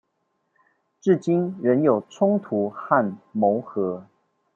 至今仍有衝突和磨合